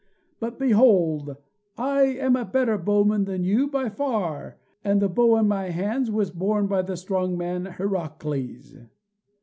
But, behold, I am a better bowman than you, by far, and the bow in my hands was borne by the strong man Heracles!"